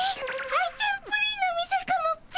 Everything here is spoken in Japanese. アイちゃんプリンの店かもっピ！